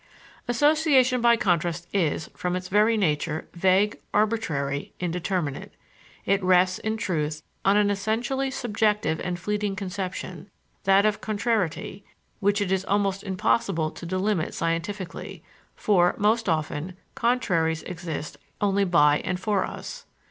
Association by contrast is, from its very nature, vague, arbitrary, indeterminate. It rests, in truth, on an essentially subjective and fleeting conception, that of contrariety, which it is almost impossible to delimit scientifically; for, most often, contraries exist only by and for us.